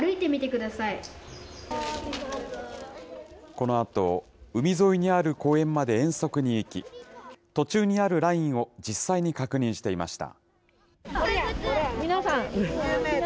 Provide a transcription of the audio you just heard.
このあと、海沿いにある公園まで遠足に行き、途中にあるラインを実際に確認していました。